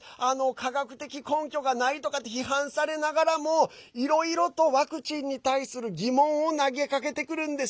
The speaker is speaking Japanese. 科学的根拠がないとかって批判されながらもいろいろとワクチンに対する疑問を投げかけてくるんです。